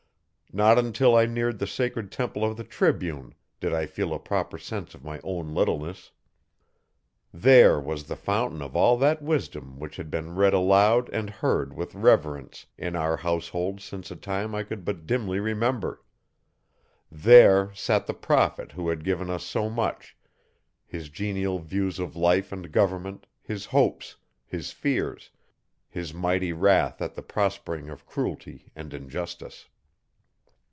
Not until I neared the sacred temple of the Tribune did I feel a proper sense of my own littleness. There was the fountain of all that wisdom which had been read aloud and heard with reverence in our household since a time I could but dimly remember. There sat the prophet who had given us so much his genial views of life and government, his hopes, his fears, his mighty wrath at the prospering of cruelty and injustice.